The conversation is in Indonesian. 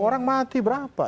orang mati berapa